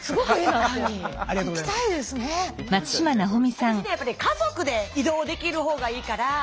私ねやっぱね家族で移動できるほうがいいから。